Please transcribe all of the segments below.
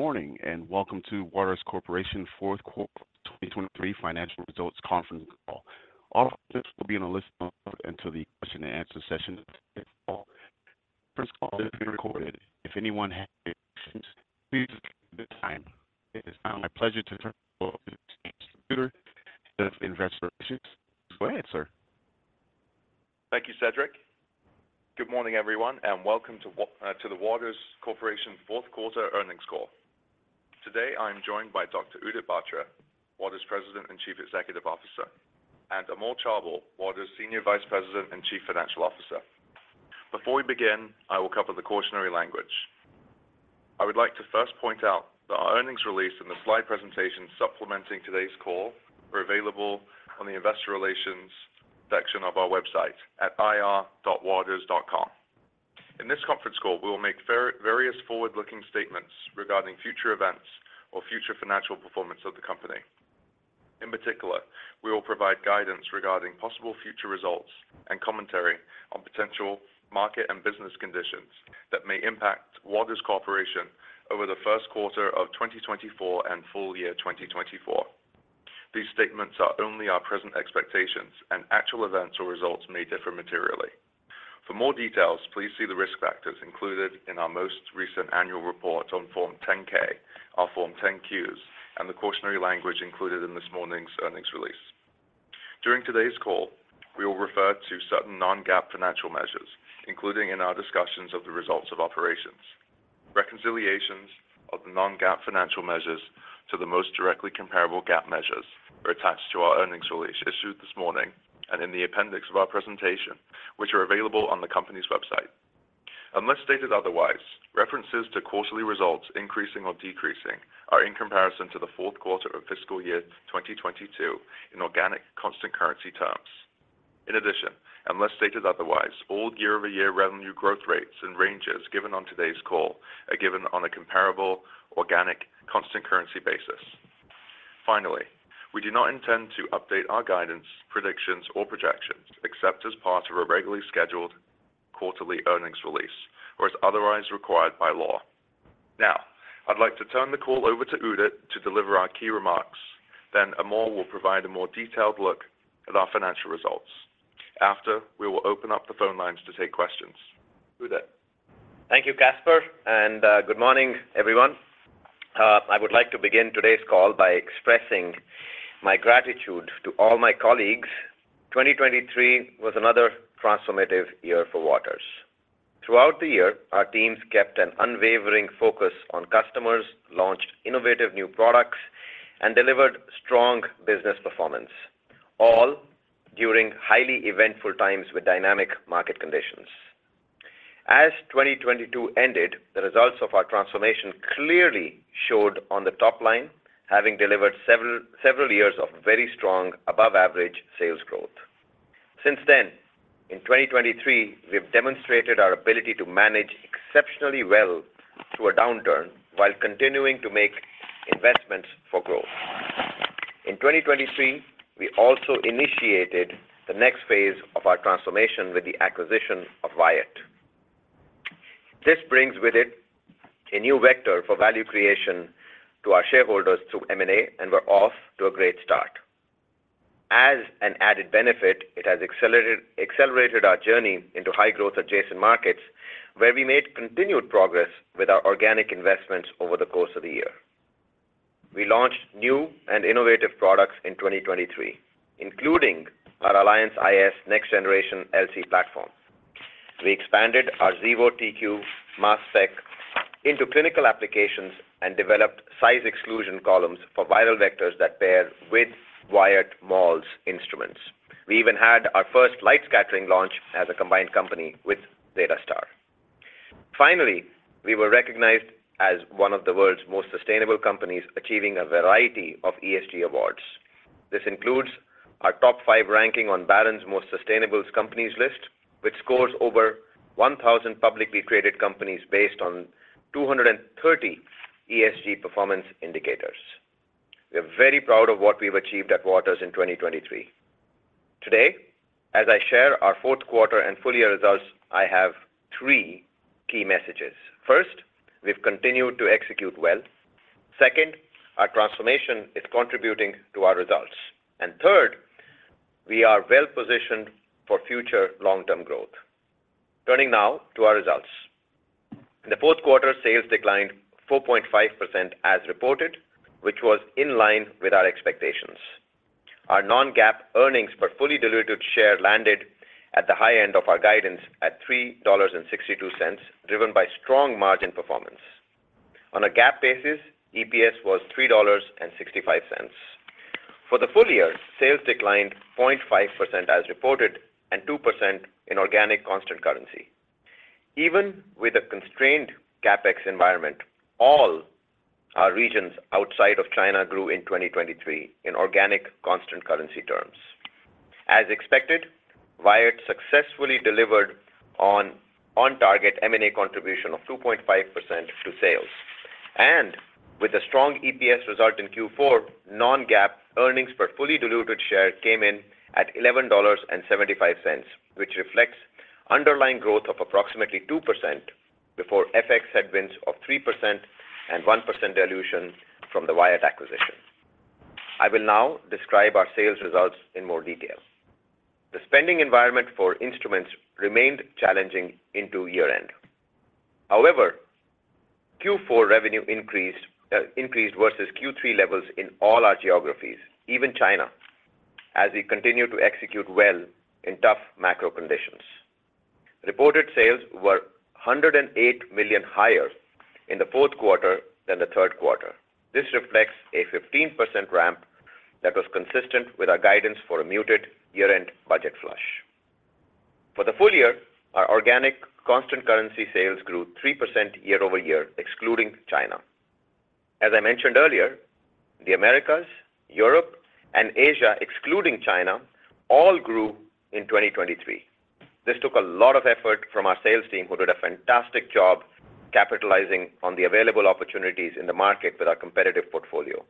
Good morning, and welcome to Waters Corporation Fourth Quarter 2023 Financial Results Conference Call. All participants will be in a listen-only mode until the question-and-answer session. This call is being recorded. If anyone has any objections, please disconnect at this time. It is now my pleasure to turn the call over to Caspar Tudor, Head of Investor Relations. Go ahead, sir. Thank you, Cedric. Good morning, everyone, and welcome to the Waters Corporation fourth quarter earnings call. Today, I'm joined by Dr. Udit Batra, Waters President and Chief Executive Officer, and Amol Chaubal, Waters Senior Vice President and Chief Financial Officer. Before we begin, I will cover the cautionary language. I would like to first point out that our earnings release and the slide presentation supplementing today's call are available on the investor relations section of our website at ir.waters.com. In this conference call, we will make various forward-looking statements regarding future events or future financial performance of the company. In particular, we will provide guidance regarding possible future results and commentary on potential market and business conditions that may impact Waters Corporation over the first quarter of 2024 and full year 2024. These statements are only our present expectations, and actual events or results may differ materially. For more details, please see the risk factors included in our most recent annual report on Form 10-K, our Form 10-Qs, and the cautionary language included in this morning's earnings release. During today's call, we will refer to certain non-GAAP financial measures, including in our discussions of the results of operations. Reconciliations of the non-GAAP financial measures to the most directly comparable GAAP measures are attached to our earnings release issued this morning and in the appendix of our presentation, which are available on the company's website. Unless stated otherwise, references to quarterly results increasing or decreasing are in comparison to the fourth quarter of fiscal year 2022 in organic constant currency terms. In addition, unless stated otherwise, all year-over-year revenue growth rates and ranges given on today's call are given on a comparable organic constant currency basis. Finally, we do not intend to update our guidance, predictions, or projections except as part of our regularly scheduled quarterly earnings release or as otherwise required by law. Now, I'd like to turn the call over to Udit to deliver our key remarks. Then Amol will provide a more detailed look at our financial results. After, we will open up the phone lines to take questions. Udit. Thank you, Caspar, and good morning, everyone. I would like to begin today's call by expressing my gratitude to all my colleagues. 2023 was another transformative year for Waters. Throughout the year, our teams kept an unwavering focus on customers, launched innovative new products, and delivered strong business performance, all during highly eventful times with dynamic market conditions. As 2022 ended, the results of our transformation clearly showed on the top line, having delivered several, several years of very strong, above average sales growth. Since then, in 2023, we've demonstrated our ability to manage exceptionally well through a downturn while continuing to make investments for growth. In 2023, we also initiated the next phase of our transformation with the acquisition of Wyatt. This brings with it a new vector for value creation to our shareholders through M&A, and we're off to a great start. As an added benefit, it has accelerated our journey into high-growth adjacent markets, where we made continued progress with our organic investments over the course of the year. We launched new and innovative products in 2023, including our Alliance iS next-generation LC platform. We expanded our Xevo TQ Mass Spec into clinical applications and developed size exclusion columns for viral vectors that pair with Wyatt's instruments. We even had our first light scattering launch as a combined company with ZetaStar. Finally, we were recognized as one of the world's most sustainable companies, achieving a variety of ESG awards. This includes our top five ranking on Barron's Most Sustainable Companies list, which scores over 1,000 publicly traded companies based on 230 ESG performance indicators. We are very proud of what we've achieved at Waters in 2023. Today, as I share our fourth quarter and full-year results, I have three key messages. First, we've continued to execute well. Second, our transformation is contributing to our results. Third, we are well positioned for future long-term growth. Turning now to our results. In the fourth quarter, sales declined 4.5% as reported, which was in line with our expectations. Our non-GAAP earnings per fully diluted share landed at the high end of our guidance at $3.62, driven by strong margin performance. On a GAAP basis, EPS was $3.65. For the full year, sales declined 0.5% as reported and 2% in organic constant currency. Even with a constrained CapEx environment, all our regions outside of China grew in 2023 in organic constant currency terms. As expected, Wyatt successfully delivered on, on target M&A contribution of 2.5% to sales, and with a strong EPS result in Q4, non-GAAP earnings per fully diluted share came in at $11.75, which reflects underlying growth of approximately 2% before FX headwinds of 3% and 1% dilution from the Wyatt acquisition. I will now describe our sales results in more detail. The spending environment for instruments remained challenging into year-end. However, Q4 revenue increased, increased versus Q3 levels in all our geographies, even China, as we continued to execute well in tough macro conditions. Reported sales were $108 million higher in the fourth quarter than the third quarter. This reflects a 15% ramp that was consistent with our guidance for a muted year-end budget flush. For the full year, our organic constant currency sales grew 3% year-over-year, excluding China. As I mentioned earlier, the Americas, Europe, and Asia, excluding China, all grew in 2023. This took a lot of effort from our sales team, who did a fantastic job capitalizing on the available opportunities in the market with our competitive portfolio.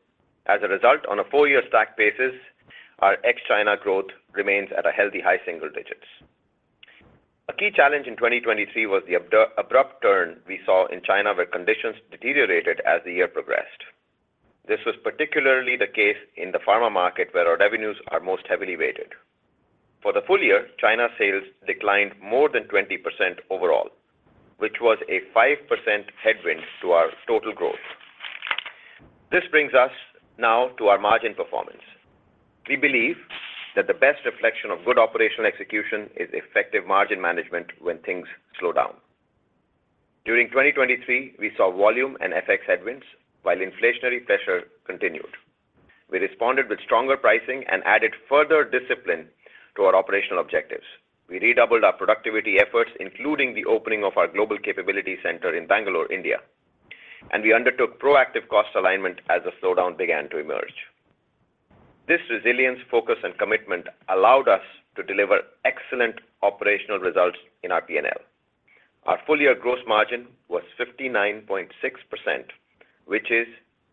As a result, on a full year stack basis, our ex-China growth remains at a healthy high single digits. A key challenge in 2023 was the abrupt turn we saw in China, where conditions deteriorated as the year progressed. This was particularly the case in the pharma market, where our revenues are most heavily weighted. For the full year, China sales declined more than 20% overall, which was a 5% headwind to our total growth. This brings us now to our margin performance. We believe that the best reflection of good operational execution is effective margin management when things slow down. During 2023, we saw volume and FX headwinds while inflationary pressure continued. We responded with stronger pricing and added further discipline to our operational objectives. We redoubled our productivity efforts, including the opening of our global capability center in Bangalore, India, and we undertook proactive cost alignment as the slowdown began to emerge. This resilience, focus, and commitment allowed us to deliver excellent operational results in our P&L. Our full-year gross margin was 59.6%, which is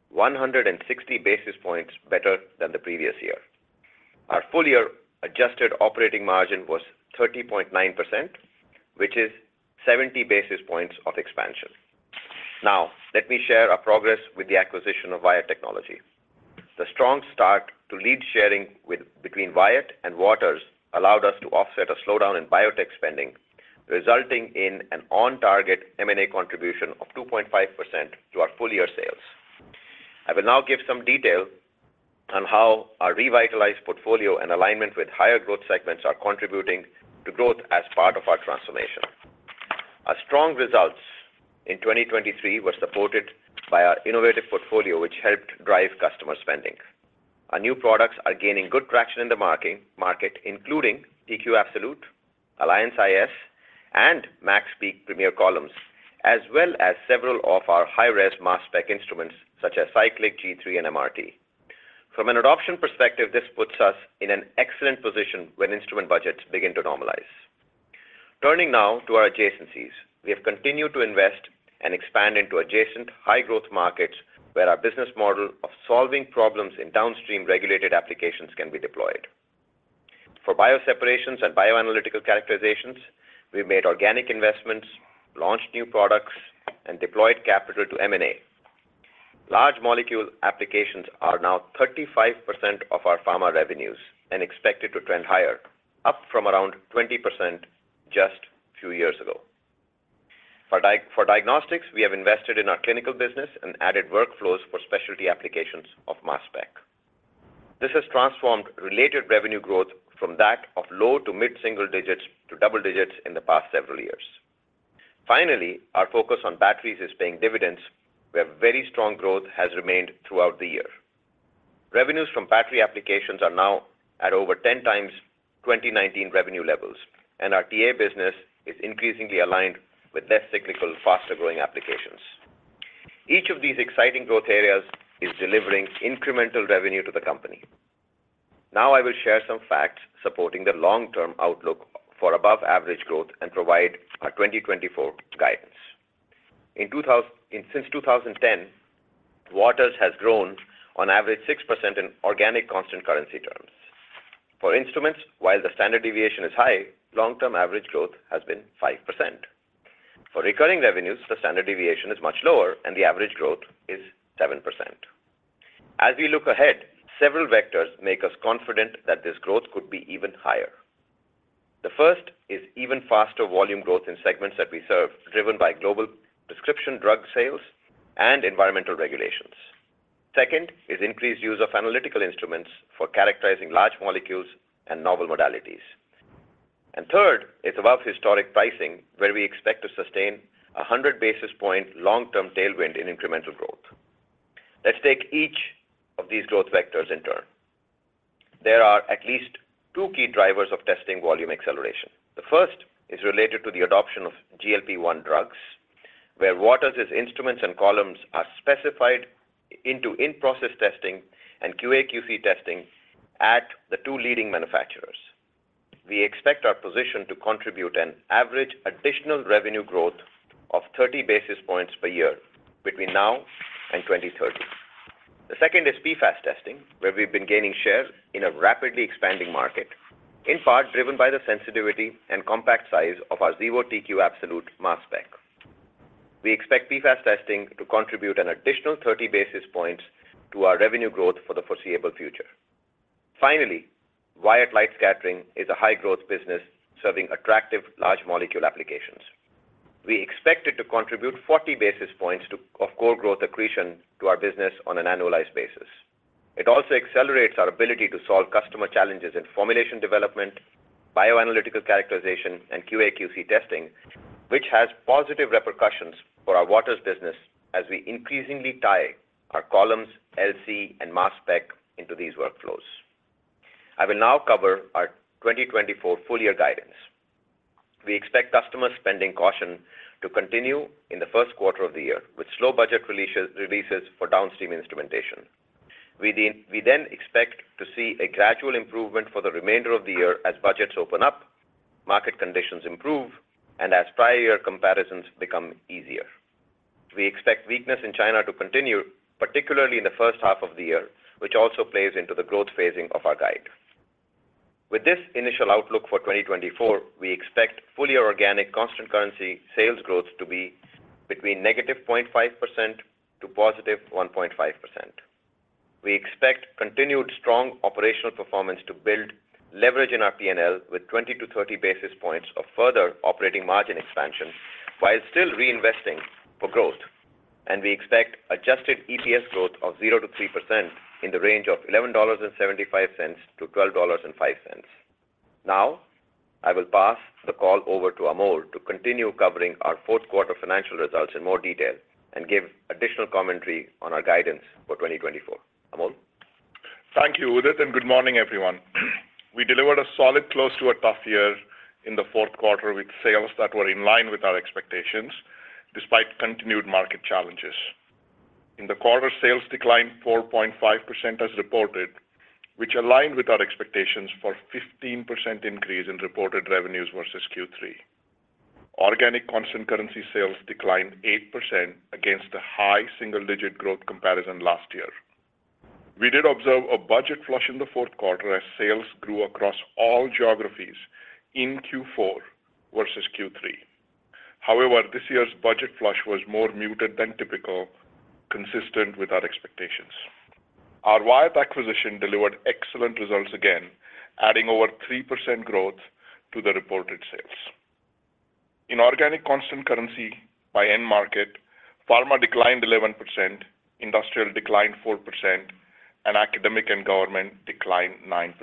160 basis points better than the previous year. Our full-year adjusted operating margin was 30.9%, which is 70 basis points of expansion. Now, let me share our progress with the acquisition of Wyatt Technology. The strong start to lead sharing between Wyatt and Waters allowed us to offset a slowdown in biotech spending, resulting in an on-target M&A contribution of 2.5% to our full-year sales. I will now give some detail on how our revitalized portfolio and alignment with higher growth segments are contributing to growth as part of our transformation. Our strong results in 2023 were supported by our innovative portfolio, which helped drive customer spending. Our new products are gaining good traction in the market, including TQ Absolute, Alliance iS, and MaxPeak Premier Columns, as well as several of our high-res mass spec instruments such as Cyclic, G3, and MRT. From an adoption perspective, this puts us in an excellent position when instrument budgets begin to normalize. Turning now to our adjacencies. We have continued to invest and expand into adjacent high-growth markets, where our business model of solving problems in downstream regulated applications can be deployed. For bio separations and bioanalytical characterizations, we've made organic investments, launched new products, and deployed capital to M&A. Large molecule applications are now 35% of our pharma revenues and expected to trend higher, up from around 20% just a few years ago. For diagnostics, we have invested in our clinical business and added workflows for specialty applications of mass spec. This has transformed related revenue growth from that of low to mid-single digits to double digits in the past several years. Finally, our focus on batteries is paying dividends, where very strong growth has remained throughout the year. Revenues from battery applications are now at over 10x 2019 revenue levels, and our TA business is increasingly aligned with less cyclical, faster-growing applications. Each of these exciting growth areas is delivering incremental revenue to the company. Now, I will share some facts supporting the long-term outlook for above-average growth and provide our 2024 guidance. Since 2010, Waters has grown on average 6% in organic constant currency terms. For instruments, while the standard deviation is high, long-term average growth has been 5%. For recurring revenues, the standard deviation is much lower, and the average growth is 7%. As we look ahead, several vectors make us confident that this growth could be even higher. The first is even faster volume growth in segments that we serve, driven by global prescription drug sales and environmental regulations. Second is increased use of analytical instruments for characterizing large molecules and novel modalities. And third, is above historic pricing, where we expect to sustain a 100 basis point long-term tailwind in incremental growth. Let's take each of these growth vectors in turn. There are at least two key drivers of testing volume acceleration. The first is related to the adoption of GLP-1 drugs, where Waters' instruments and columns are specified into in-process testing and QA/QC testing at the two leading manufacturers. We expect our position to contribute an average additional revenue growth of 30 basis points per year between now and 2030. The second is PFAS testing, where we've been gaining share in a rapidly expanding market, in part driven by the sensitivity and compact size of our Xevo TQ Absolute Mass Spec. We expect PFAS testing to contribute an additional 30 basis points to our revenue growth for the foreseeable future. Finally, Wyatt Light Scattering is a high-growth business serving attractive large molecule applications. We expect it to contribute 40 basis points to of core growth accretion to our business on an annualized basis. It also accelerates our ability to solve customer challenges in formulation development, bioanalytical characterization, and QA/QC testing, which has positive repercussions for our Waters business as we increasingly tie our columns, LC, and mass spec into these workflows. I will now cover our 2024 full year guidance. We expect customer spending caution to continue in the first quarter of the year, with slow budget releases, releases for downstream instrumentation. We then expect to see a gradual improvement for the remainder of the year as budgets open up, market conditions improve, and as prior year comparisons become easier. We expect weakness in China to continue, particularly in the first half of the year, which also plays into the growth phasing of our guide. With this initial outlook for 2024, we expect full year organic constant currency sales growth to be between -0.5% to +1.5%. We expect continued strong operational performance to build leverage in our P&L, with 20-30 basis points of further operating margin expansion while still reinvesting for growth. We expect adjusted EPS growth of 0%-3% in the range of $11.75-$12.05. Now, I will pass the call over to Amol to continue covering our fourth quarter financial results in more detail and give additional commentary on our guidance for 2024. Amol? Thank you, Udit, and good morning, everyone. We delivered a solid close to a tough year in the fourth quarter with sales that were in line with our expectations, despite continued market challenges. In the quarter, sales declined 4.5% as reported, which aligned with our expectations for 15% increase in reported revenues versus Q3. Organic constant currency sales declined 8% against a high single-digit growth comparison last year. We did observe a budget flush in the fourth quarter as sales grew across all geographies in Q4 versus Q3. However, this year's budget flush was more muted than typical, consistent with our expectations. Our Wyatt acquisition delivered excellent results again, adding over 3% growth to the reported sales. In organic constant currency by end market, pharma declined 11%, industrial declined 4%, and academic and government declined 9%.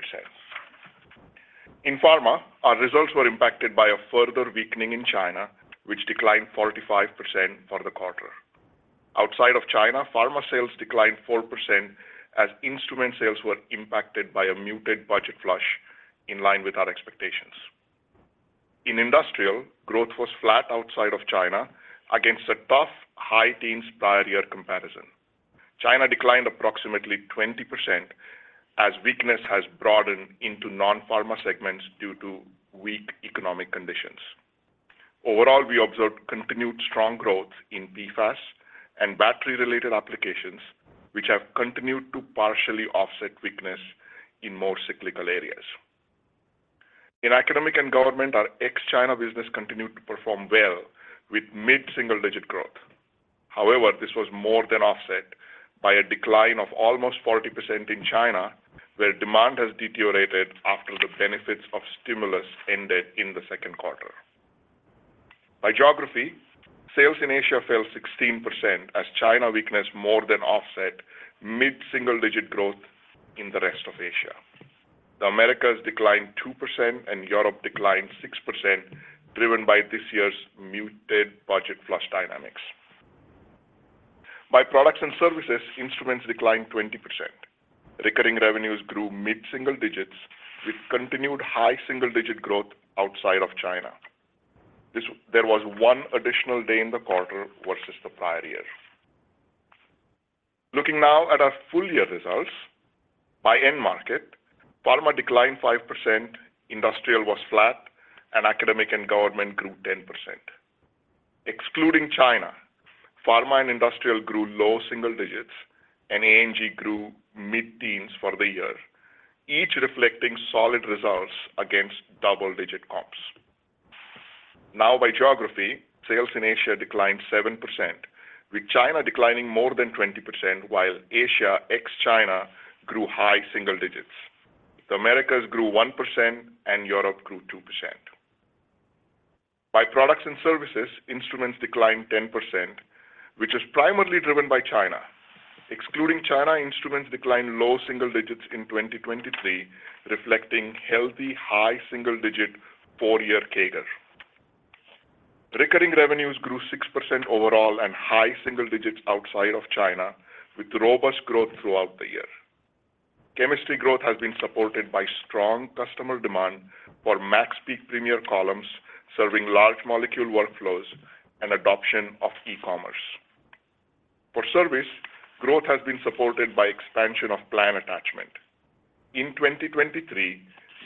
In pharma, our results were impacted by a further weakening in China, which declined 45% for the quarter. Outside of China, pharma sales declined 4% as instrument sales were impacted by a muted budget flush in line with our expectations. In industrial, growth was flat outside of China against a tough high teens prior year comparison. China declined approximately 20% as weakness has broadened into non-pharma segments due to weak economic conditions. Overall, we observed continued strong growth in PFAS and battery-related applications, which have continued to partially offset weakness in more cyclical areas. In academic and government, our ex-China business continued to perform well with mid-single-digit growth. However, this was more than offset by a decline of almost 40% in China, where demand has deteriorated after the benefits of stimulus ended in the second quarter. By geography, sales in Asia fell 16% as China weakness more than offset mid-single-digit growth in the rest of Asia. The Americas declined 2% and Europe declined 6%, driven by this year's muted budget flush dynamics. By products and services, instruments declined 20%. Recurring revenues grew mid-single digits, with continued high single-digit growth outside of China. This, there was one additional day in the quarter versus the prior year. Looking now at our full year results, by end market, pharma declined 5%, industrial was flat, and academic and government grew 10%. Excluding China, pharma and industrial grew low single digits, and A&G grew mid-teens for the year, each reflecting solid results against double-digit comps. Now, by geography, sales in Asia declined 7%, with China declining more than 20%, while Asia, ex-China, grew high single digits. The Americas grew 1%, and Europe grew 2%. By products and services, instruments declined 10%, which is primarily driven by China. Excluding China, instruments declined low single digits in 2023, reflecting healthy high single-digit four-year CAGR. Recurring revenues grew 6% overall and high single digits outside of China, with robust growth throughout the year. Chemistry growth has been supported by strong customer demand for MaxPeak Premier columns, serving large molecule workflows and adoption of e-commerce. For service, growth has been supported by expansion of plan attachment. In 2023,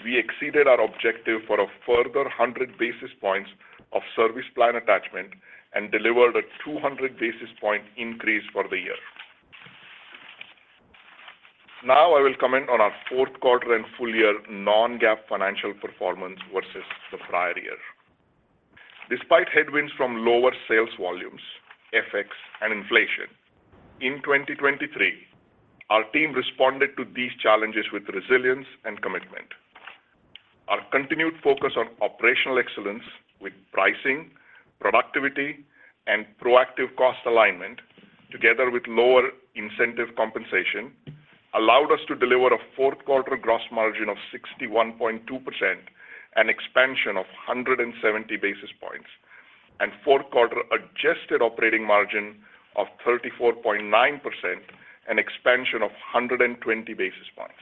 we exceeded our objective for a further 100 basis points of service plan attachment and delivered a 200 basis points increase for the year. Now I will comment on our fourth quarter and full year non-GAAP financial performance versus the prior year. Despite headwinds from lower sales volumes, FX, and inflation, in 2023, our team responded to these challenges with resilience and commitment. Our continued focus on operational excellence with pricing, productivity, and proactive cost alignment, together with lower incentive compensation, allowed us to deliver a fourth quarter gross margin of 61.2%, an expansion of 170 basis points, and fourth quarter adjusted operating margin of 34.9%, an expansion of 120 basis points.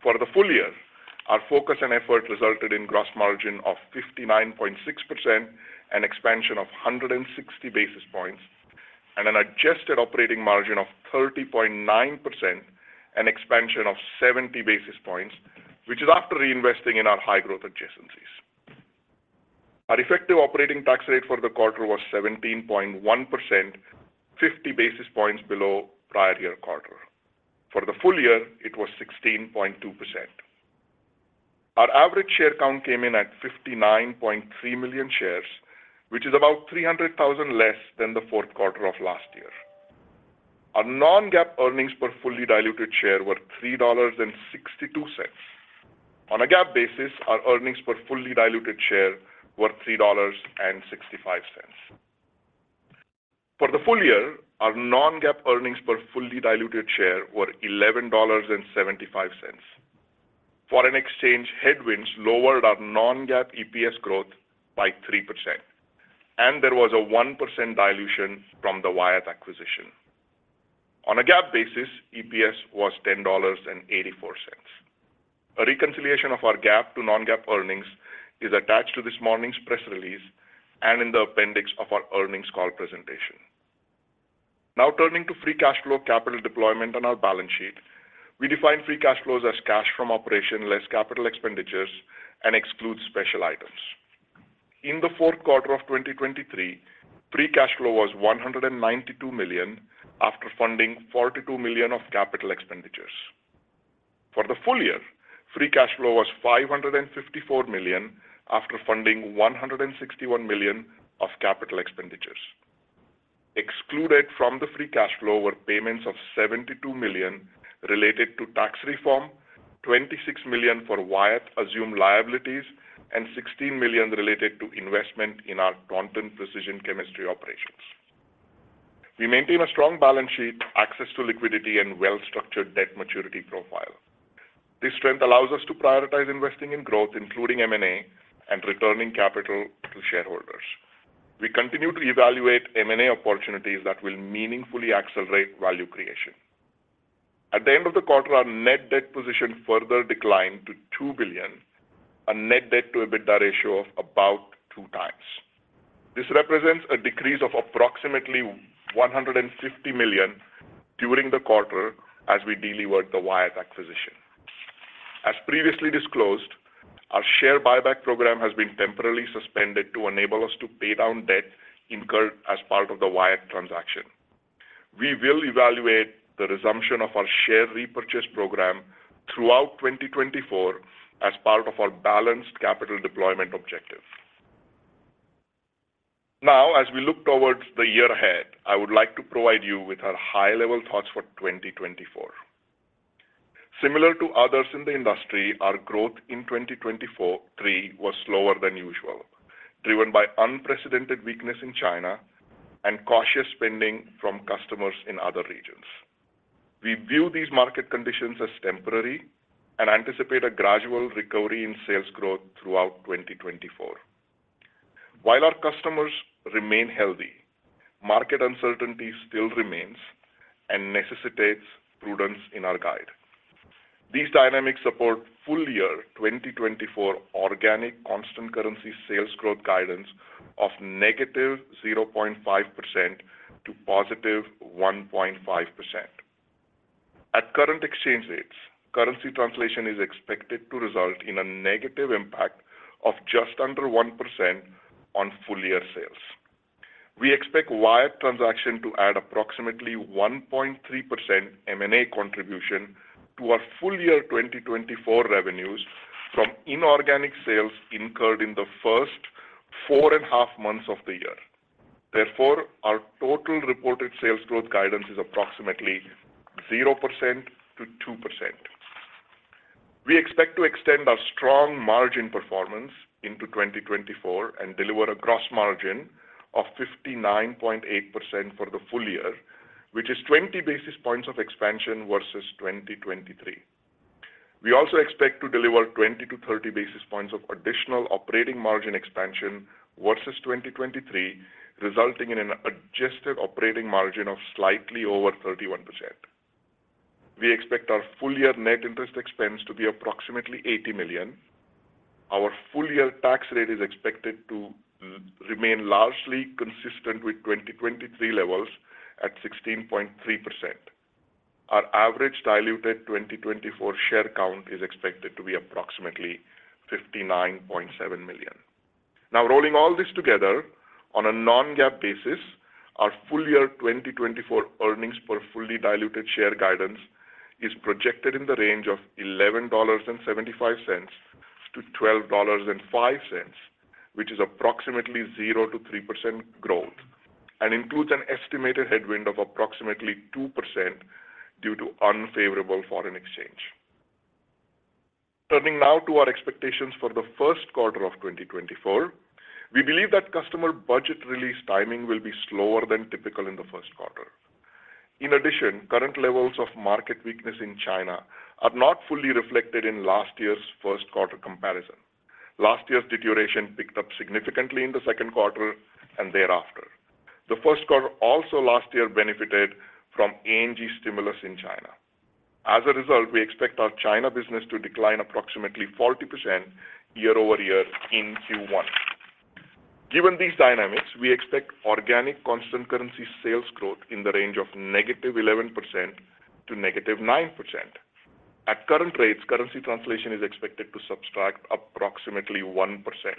For the full year, our focus and effort resulted in gross margin of 59.6%, an expansion of 160 basis points, and an adjusted operating margin of 30.9%, an expansion of 70 basis points, which is after reinvesting in our high-growth adjacencies. Our effective operating tax rate for the quarter was 17.1%, 50 basis points below prior year quarter. For the full year, it was 16.2%. Our average share count came in at 59.3 million shares, which is about 300,000 less than the fourth quarter of last year. Our non-GAAP earnings per fully diluted share were $3.62. On a GAAP basis, our earnings per fully diluted share were $3.65. For the full year, our non-GAAP earnings per fully diluted share were $11.75. Foreign exchange headwinds lowered our non-GAAP EPS growth by 3%, and there was a 1% dilution from the Wyatt acquisition. On a GAAP basis, EPS was $10.84. A reconciliation of our GAAP to non-GAAP earnings is attached to this morning's press release and in the appendix of our earnings call presentation. Now turning to free cash flow, capital deployment on our balance sheet. We define free cash flows as cash from operation less capital expenditures and excludes special items. In the fourth quarter of 2023, free cash flow was $192 million, after funding $42 million of capital expenditures. For the full year, free cash flow was $554 million, after funding $161 million of capital expenditures. Excluded from the free cash flow were payments of $72 million related to tax reform, $26 million for Wyatt assumed liabilities, and $16 million related to investment in our Taunton Precision Chemistry operations. We maintain a strong balance sheet, access to liquidity, and well-structured debt maturity profile. This strength allows us to prioritize investing in growth, including M&A, and returning capital to shareholders. We continue to evaluate M&A opportunities that will meaningfully accelerate value creation. At the end of the quarter, our net debt position further declined to $2 billion, a net debt to EBITDA ratio of about 2x. This represents a decrease of approximately $150 million during the quarter as we delivered the Wyatt acquisition. As previously disclosed, our share buyback program has been temporarily suspended to enable us to pay down debt incurred as part of the Wyatt transaction. We will evaluate the resumption of our share repurchase program throughout 2024 as part of our balanced capital deployment objective. Now, as we look towards the year ahead, I would like to provide you with our high-level thoughts for 2024. Similar to others in the industry, our growth in 2023 was slower than usual, driven by unprecedented weakness in China and cautious spending from customers in other regions. We view these market conditions as temporary and anticipate a gradual recovery in sales growth throughout 2024. While our customers remain healthy, market uncertainty still remains and necessitates prudence in our guide. These dynamics support full-year 2024 organic constant currency sales growth guidance of -0.5% to +1.5%. At current exchange rates, currency translation is expected to result in a negative impact of just under 1% on full-year sales. We expect Wyatt transaction to add approximately 1.3% M&A contribution to our full-year 2024 revenues from inorganic sales incurred in the first 4.5 months of the year. Therefore, our total reported sales growth guidance is approximately 0%-2%. We expect to extend our strong margin performance into 2024 and deliver a gross margin of 59.8% for the full year, which is 20 basis points of expansion versus 2023. We also expect to deliver 20-30 basis points of additional operating margin expansion versus 2023, resulting in an adjusted operating margin of slightly over 31%. We expect our full-year net interest expense to be approximately $80 million. Our full-year tax rate is expected to remain largely consistent with 2023 levels at 16.3%. Our average diluted 2024 share count is expected to be approximately 59.7 million. Now, rolling all this together, on a non-GAAP basis, our full year 2024 earnings per fully diluted share guidance is projected in the range of $11.75-$12.05, which is approximately 0%-3% growth, and includes an estimated headwind of approximately 2% due to unfavorable foreign exchange. Turning now to our expectations for the first quarter of 2024, we believe that customer budget release timing will be slower than typical in the first quarter. In addition, current levels of market weakness in China are not fully reflected in last year's first quarter comparison. Last year's deterioration picked up significantly in the second quarter and thereafter. The first quarter, also last year, benefited from A&G stimulus in China. As a result, we expect our China business to decline approximately 40% year-over-year in Q1. Given these dynamics, we expect organic constant currency sales growth in the range of -11% to -9%. At current rates, currency translation is expected to subtract approximately 1%,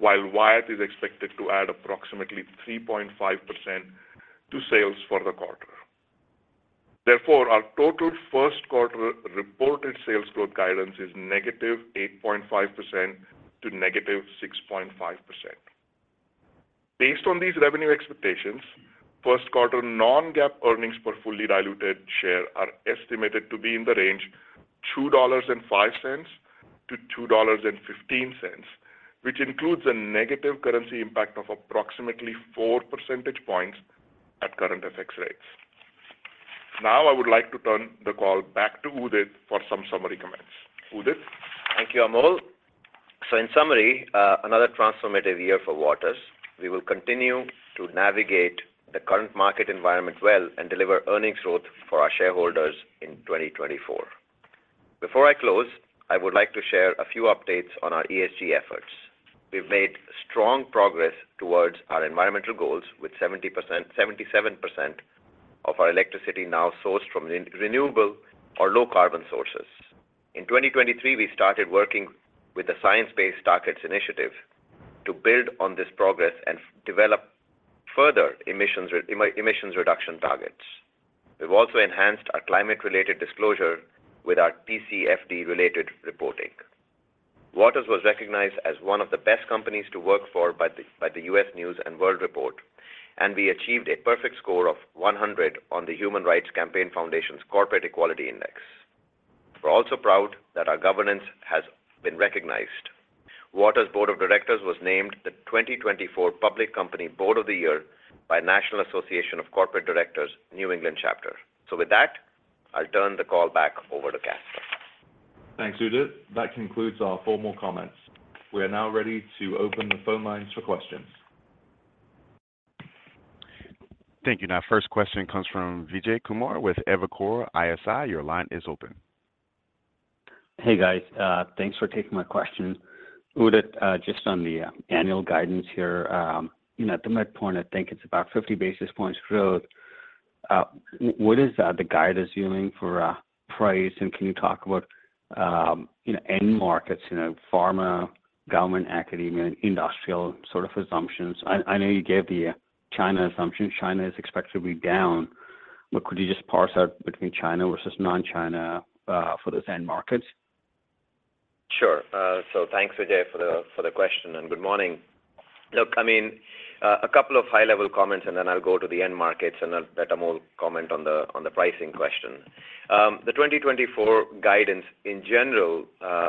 while Wyatt is expected to add approximately 3.5% to sales for the quarter. Therefore, our total first quarter reported sales growth guidance is -8.5% to -6.5%. Based on these revenue expectations, first quarter non-GAAP earnings per fully diluted share are estimated to be in the range $2.05-$2.15, which includes a negative currency impact of approximately four percentage points at current FX rates. Now, I would like to turn the call back to Udit for some summary comments. Udit? Thank you, Amol. So in summary, another transformative year for Waters. We will continue to navigate the current market environment well and deliver earnings growth for our shareholders in 2024. Before I close, I would like to share a few updates on our ESG efforts. We've made strong progress towards our environmental goals, with 77% of our electricity now sourced from renewable or low carbon sources. In 2023, we started working with the Science Based Targets initiative to build on this progress and develop further emissions reduction targets. We've also enhanced our climate-related disclosure with our TCFD-related reporting. Waters was recognized as one of the best companies to work for by the U.S. News & World Report, and we achieved a perfect score of 100 on the Human Rights Campaign Foundation's Corporate Equality Index. We're also proud that our governance has been recognized. Waters Board of Directors was named the 2024 Public Company Board of the Year by National Association of Corporate Directors, New England chapter. So with that, I'll turn the call back over to Caspar. Thanks, Udit. That concludes our formal comments. We are now ready to open the phone lines for questions. Thank you. Now, first question comes from Vijay Kumar with Evercore ISI. Your line is open. Hey, guys, thanks for taking my question. Udit, just on the annual guidance here, you know, at the midpoint, I think it's about 50 basis points growth. What is the guide assuming for price? And can you talk about, you know, end markets, you know, pharma, government, academia, and industrial sort of assumptions? I know you gave the China assumption. China is expected to be down, but could you just parse out between China versus non-China for those end markets? Sure. So thanks, Vijay, for the question, and good morning. Look, I mean, a couple of high-level comments, and then I'll go to the end markets, and I'll let Amol comment on the pricing question. The 2024 guidance in general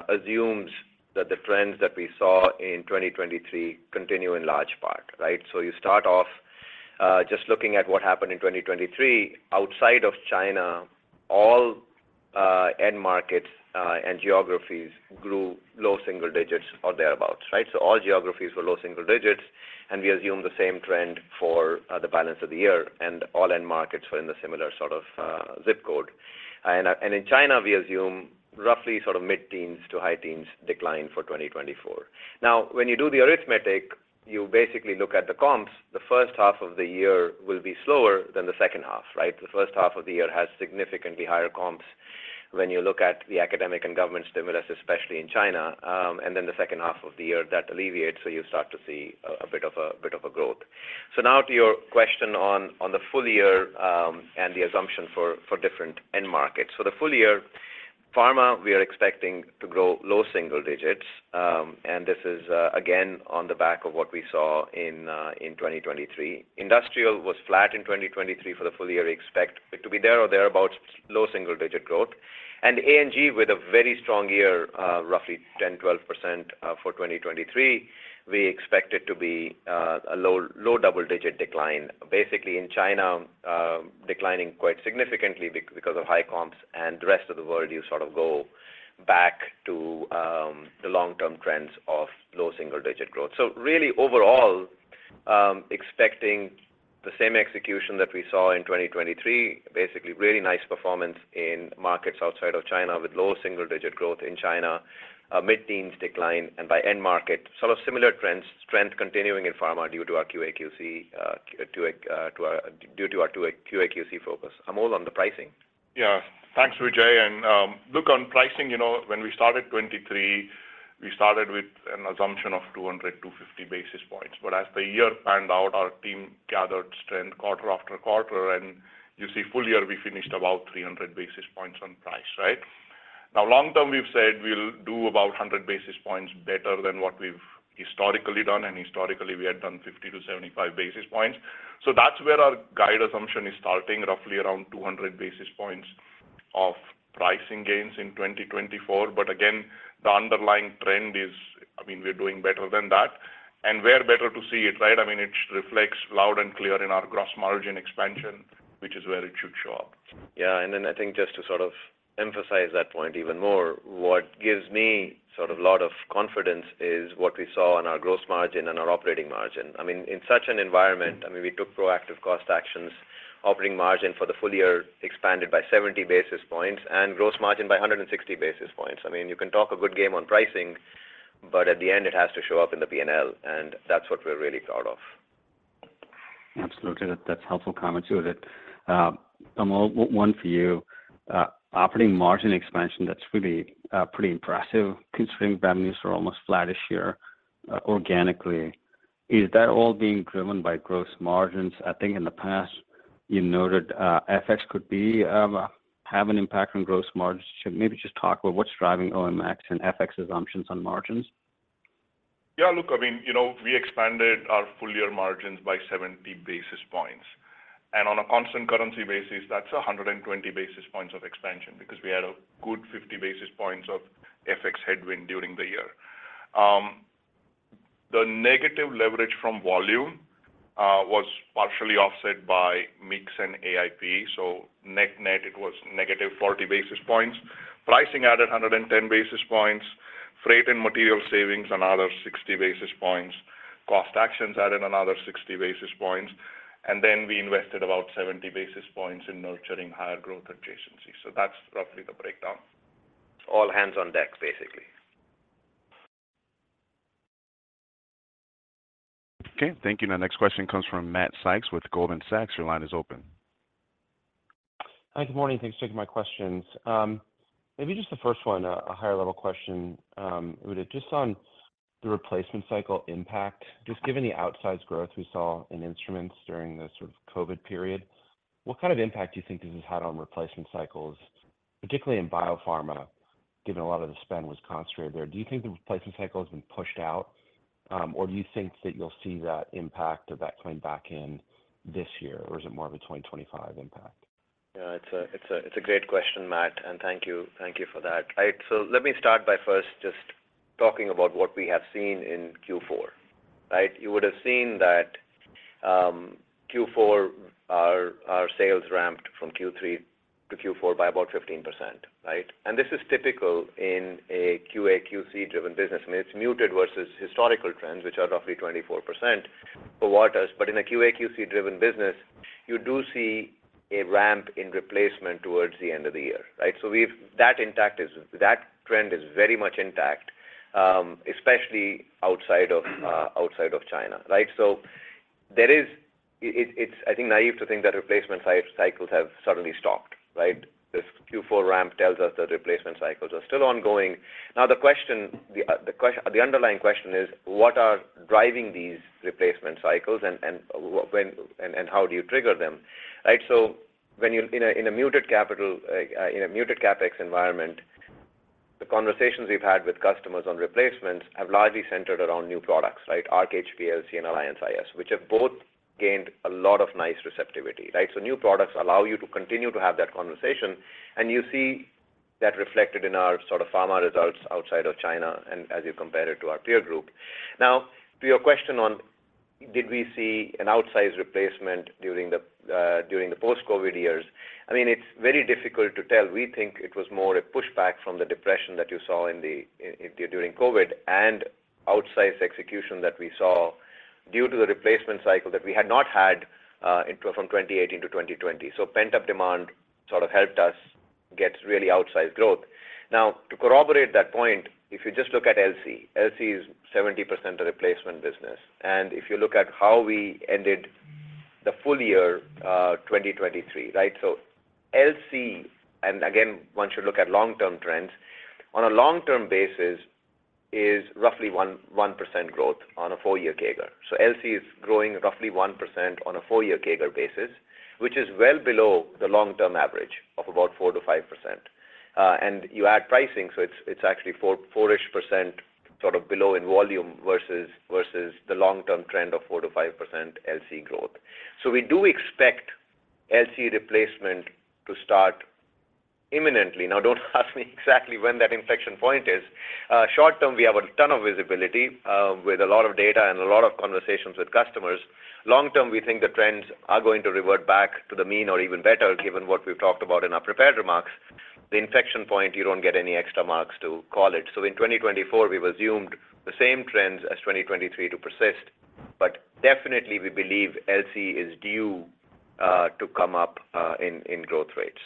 assumes that the trends that we saw in 2023 continue in large part, right? So you start off, just looking at what happened in 2023. Outside of China, all end markets and geographies grew low single digits or thereabout, right? So all geographies were low single digits, and we assume the same trend for the balance of the year, and all end markets were in the similar sort of zip code. And in China, we assume roughly sort of mid-teens to high teens decline for 2024. Now, when you do the arithmetic, you basically look at the comps. The first half of the year will be slower than the second half, right? The first half of the year has significantly higher comps when you look at the academic and government stimulus, especially in China, and then the second half of the year, that alleviates, so you start to see a bit of a growth. So now to your question on the full year, and the assumption for different end markets. So the full year pharma, we are expecting to grow low single digits, and this is, again, on the back of what we saw in 2023. Industrial was flat in 2023 for the full year. We expect it to be there or thereabout, low single digit growth. ANG, with a very strong year, roughly 10%-12% for 2023, we expect it to be a low double-digit decline. Basically in China, declining quite significantly because of high comps and the rest of the world, you sort of go back to the long-term trends of low single-digit growth. So really overall, expecting the same execution that we saw in 2023. Basically, really nice performance in markets outside of China, with low single-digit growth in China, a mid-teens decline, and by end market, sort of similar trends continuing in pharma due to our QA/QC focus. Amol, on the pricing? Yeah. Thanks, Vijay. And, look, on pricing, you know, when we started 2023, we started with an assumption of 200-250 basis points. But as the year panned out, our team gathered strength quarter after quarter, and you see full year, we finished about 300 basis points on price, right? Now, long term, we've said we'll do about 100 basis points better than what we've historically done, and historically, we had done 50-75 basis points. So that's where our guide assumption is starting, roughly around 200 basis points of pricing gains in 2024. But again, the underlying trend is, I mean, we're doing better than that, and we're better to see it, right? I mean, it reflects loud and clear in our gross margin expansion, which is where it should show up. Yeah. And then I think just to sort of emphasize that point even more, what gives me sort of a lot of confidence is what we saw in our gross margin and our operating margin. I mean, in such an environment, I mean, we took proactive cost actions. Operating margin for the full year expanded by 70 basis points and gross margin by 160 basis points. I mean, you can talk a good game on pricing, but at the end, it has to show up in the P&L, and that's what we're really proud of. Absolutely. That's a helpful comment too. That, Amol, one for you. Operating margin expansion, that's really pretty impressive considering revenues are almost flattish here, organically. Is that all being driven by gross margins? I think in the past, you noted FX could have an impact on gross margins. Should maybe just talk about what's driving OMX and FX assumptions on margins. Yeah, look, I mean, you know, we expanded our full year margins by 70 basis points, and on a constant currency basis, that's 120 basis points of expansion because we had a good 50 basis points of FX headwind during the year. The negative leverage from volume was partially offset by mix and AIP, so net-net, it was negative 40 basis points. Pricing added 110 basis points, freight and material savings, another 60 basis points. Cost actions added another 60 basis points, and then we invested about 70 basis points in nurturing higher growth adjacencies. So that's roughly the breakdown. All hands on deck, basically. Okay, thank you. My next question comes from Matt Sykes with Goldman Sachs. Your line is open. Hi, good morning. Thanks for taking my questions. Maybe just the first one, a higher-level question. Just on the replacement cycle impact, just given the outsized growth we saw in instruments during the sort of COVID period, what kind of impact do you think this has had on replacement cycles, particularly in biopharma, given a lot of the spend was concentrated there? Do you think the replacement cycle has been pushed out, or do you think that you'll see that impact of that coming back in this year, or is it more of a 2025 impact? Yeah, it's a great question, Matt, and thank you. Thank you for that. So let me start by first just talking about what we have seen in Q4. Right? You would have seen that Q4, our sales ramped from Q3 to Q4 by about 15%, right? And this is typical in a QA/QC-driven business, and it's muted versus historical trends, which are roughly 24% for Waters. But in a QA/QC-driven business, you do see a ramp in replacement towards the end of the year, right? So that trend is very much intact, especially outside of China, right? So there is, it's, I think, naive to think that replacement cycles have suddenly stopped, right? This Q4 ramp tells us that replacement cycles are still ongoing. Now, the question, the underlying question is: What are driving these replacement cycles, and when, and how do you trigger them? Right. So when you're in a muted CapEx environment, the conversations we've had with customers on replacements have largely centered around new products, right? Arc HPLC and Alliance iS, which have both gained a lot of nice receptivity, right? So new products allow you to continue to have that conversation, and you see that reflected in our sort of pharma results outside of China and as you compare it to our peer group. Now, to your question on, did we see an outsized replacement during the post-COVID years? I mean, it's very difficult to tell. We think it was more a pushback from the depression that you saw in the during COVID and outsized execution that we saw due to the replacement cycle that we had not had from 2018 to 2020. So pent-up demand sort of helped us get really outsized growth. Now, to corroborate that point, if you just look at LC, LC is 70% of the replacement business. And if you look at how we ended the full year 2023, right? So LC, and again, once you look at long-term trends, on a long-term basis, is roughly 1% growth on a four-year CAGR. So LC is growing roughly 1% on a four-year CAGR basis, which is well below the long-term average of about 4%-5%. And you add pricing, so it's actually 4-ish%, sort of below in volume versus the long-term trend of 4%-5% LC growth. So we do expect LC replacement to start imminently. Now, don't ask me exactly when that inflection point is. Short term, we have a ton of visibility with a lot of data and a lot of conversations with customers. Long term, we think the trends are going to revert back to the mean or even better, given what we've talked about in our prepared remarks. The inflection point, you don't get any extra marks to call it. So in 2024, we've assumed the same trends as 2023 to persist, but definitely we believe LC is due to come up in growth rates.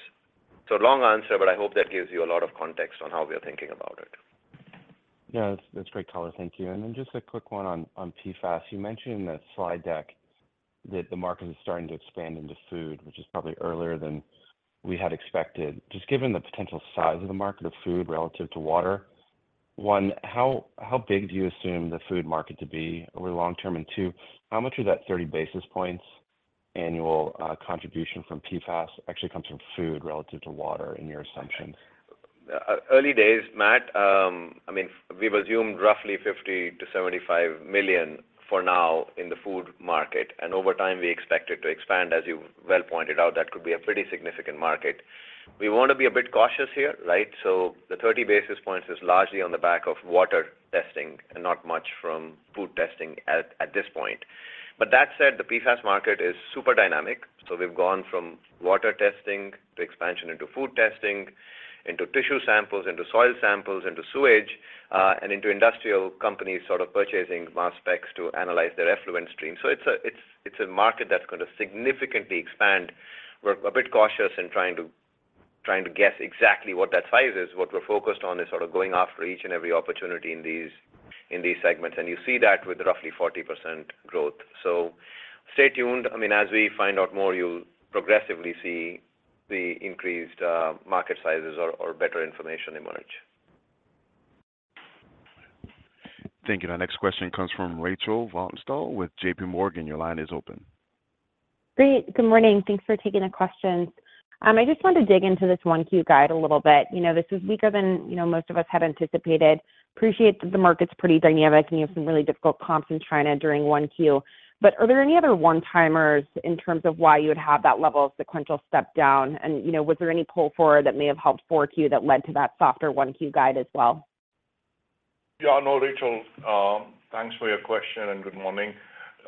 So long answer, but I hope that gives you a lot of context on how we are thinking about it. Yeah, that's great colour. Thank you. And then just a quick one on PFAS. You mentioned in the slide deck that the market is starting to expand into food, which is probably earlier than we had expected. Just given the potential size of the market of food relative to water, one, how big do you assume the food market to be over the long term? And two, how much of that 30 basis points annual contribution from PFAS actually comes from food relative to water in your assumptions? Early days, Matt. I mean, we've assumed roughly $50 million-$75 million for now in the food market, and over time, we expect it to expand. As you well pointed out, that could be a pretty significant market. We want to be a bit cautious here, right? So the 30 basis points is largely on the back of water testing and not much from food testing at this point. But that said, the PFAS market is super dynamic. So we've gone from water testing to expansion into food testing, into tissue samples, into soil samples, into sewage, and into industrial companies sort of purchasing mass specs to analyze their effluent stream. So it's a market that's going to significantly expand. We're a bit cautious in trying to guess exactly what that size is. What we're focused on is sort of going after each and every opportunity in these segments, and you see that with roughly 40% growth. So stay tuned. I mean, as we find out more, you'll progressively see the increased market sizes or better information emerge. Thank you. Our next question comes from Rachel Vatnsdal with JPMorgan. Your line is open. Great. Good morning. Thanks for taking the questions. I just wanted to dig into this 1Q guide a little bit. You know, this is weaker than, you know, most of us had anticipated. Appreciate that the market's pretty dynamic, and you have some really difficult comps in China during 1Q. But are there any other one-timers in terms of why you would have that level of sequential step down? And, you know, was there any pull forward that may have helped 4Q that led to that softer 1Q guide as well? Yeah, I know, Rachel. Thanks for your question, and good morning.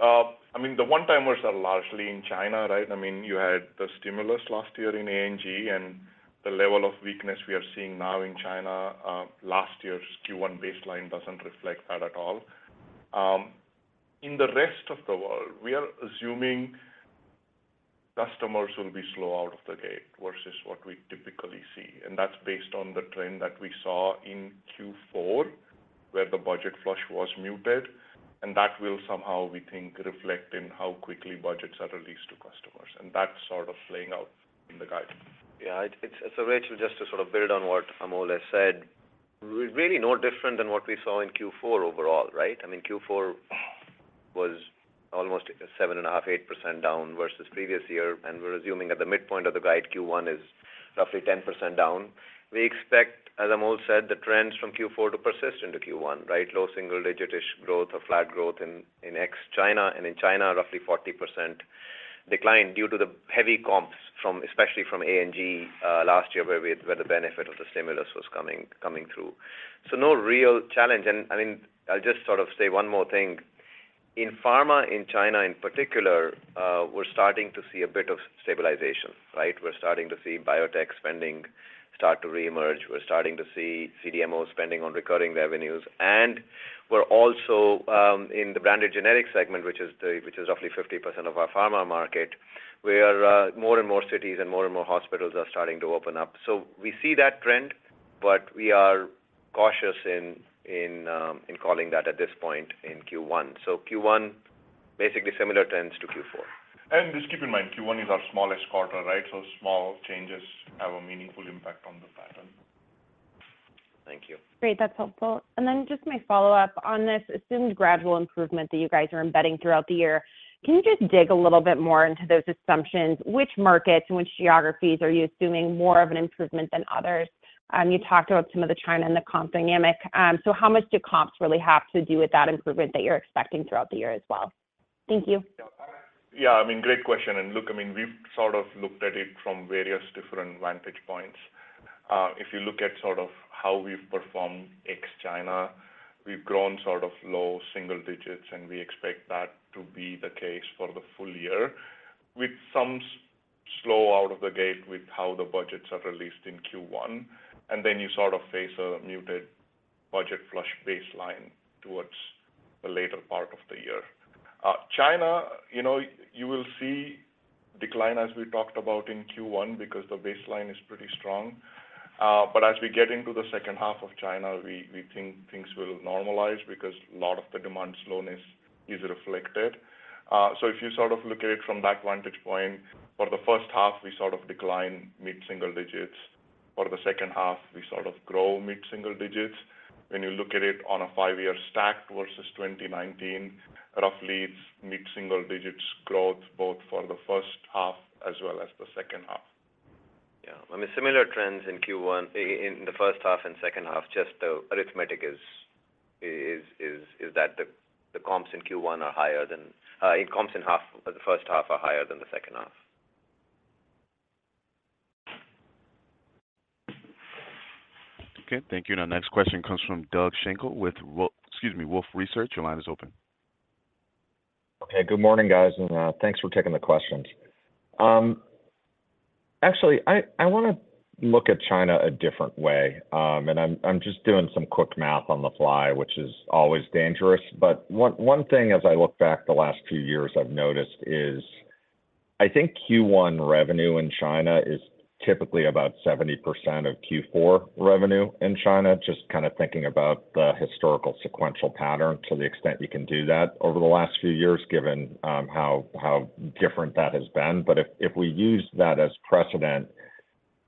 I mean, the one-timers are largely in China, right? I mean, you had the stimulus last year in ANG, and the level of weakness we are seeing now in China, last year's Q1 baseline doesn't reflect that at all. In the rest of the world, we are assuming customers will be slow out of the gate versus what we typically see, and that's based on the trend that we saw in Q4, where the budget flush was muted, and that will somehow, we think, reflect in how quickly budgets are released to customers, and that's sort of playing out in the guidance. Yeah, it's so Rachel, just to sort of build on what Amol has said, really no different than what we saw in Q4 overall, right? I mean, Q4 was almost a 7.5-8% down versus previous year, and we're assuming at the midpoint of the guide, Q1 is roughly 10% down. We expect, as Amol said, the trends from Q4 to persist into Q1, right? Low single-digitish growth or flat growth in ex-China, and in China, roughly 40% decline due to the heavy comps from, especially from ANG last year, where the benefit of the stimulus was coming through. So no real challenge. And, I mean, I'll just sort of say one more thing. In pharma, in China in particular, we're starting to see a bit of stabilization, right? We're starting to see biotech spending start to reemerge. We're starting to see CDMO spending on recurring revenues. And we're also in the branded generic segment, which is roughly 50% of our pharma market, where more and more cities and more and more hospitals are starting to open up. So we see that trend, but we are cautious in calling that at this point in Q1. So Q1, basically similar trends to Q4. Just keep in mind, Q1 is our smallest quarter, right? Small changes have a meaningful impact on the pattern. Thank you. Great. That's helpful. Then just my follow-up on this assumed gradual improvement that you guys are embedding throughout the year. Can you just dig a little bit more into those assumptions? Which markets and which geographies are you assuming more of an improvement than others? You talked about some of the China and the comp dynamic, so how much do comps really have to do with that improvement that you're expecting throughout the year as well? Thank you. Yeah, I mean, great question. And look, I mean, we've sort of looked at it from various different vantage points. If you look at sort of how we've performed ex-China, we've grown sort of low single digits, and we expect that to be the case for the full year, with some slow out of the gate with how the budgets are released in Q1, and then you sort of face a muted budget flush baseline towards the later part of the year. China, you know, you will see decline, as we talked about in Q1, because the baseline is pretty strong. But as we get into the second half of China, we think things will normalize because a lot of the demand slowness is reflected. So if you sort of look at it from that vantage point, for the first half, we sort of decline mid-single digits. For the second half, we sort of grow mid-single digits. When you look at it on a five-year stack versus 2019, roughly it's mid-single digits growth, both for the first half as well as the second half. Yeah, I mean, similar trends in Q1, in the first half and second half, just the arithmetic is that the comps in Q1 are higher than comps in the first half are higher than the second half. Okay, thank you. Our next question comes from Doug Schenkel with Wolfe Research. Your line is open. Okay, good morning, guys, and thanks for taking the questions. Actually, I want to look at China a different way. And I'm just doing some quick math on the fly, which is always dangerous, but one thing as I look back the last few years I've noticed is I think Q1 revenue in China is typically about 70% of Q4 revenue in China. Just kind of thinking about the historical sequential pattern to the extent you can do that over the last few years, given how different that has been. But if we use that as precedent,